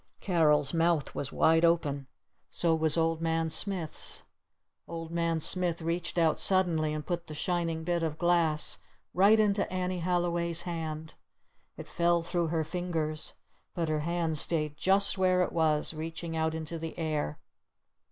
Carol's mouth was wide open. So was Old Man Smith's. Old Man Smith reached out suddenly and put the shining bit of glass right into Annie Halliway's hand. It fell through her fingers. But her hand stayed just where it was, reaching out into the air.